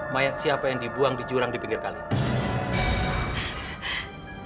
mayat siapa yang dibuang di jurang di pinggir kali